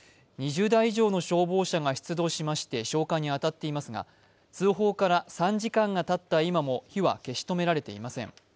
２０台以上の消防車が出動しまして、消火に当たっていますが、通報から３時間がたった今も火は消し止められていません。